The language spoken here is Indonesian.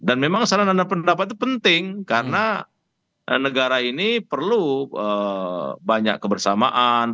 dan memang saran atau pendapat itu penting karena negara ini perlu banyak kebersamaan